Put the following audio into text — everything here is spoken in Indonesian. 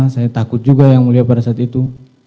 saya takut juga yang mulia pada saat itu